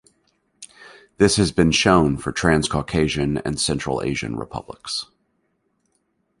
This has been shown for Transcaucasian and Central Asian republics.